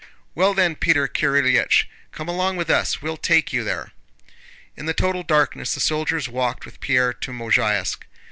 "Well then, Peter Kirílych, come along with us, we'll take you there." In the total darkness the soldiers walked with Pierre to Mozháysk.